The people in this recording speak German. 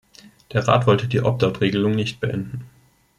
Der Rat wollte die Opt-out-Regelung nicht beenden.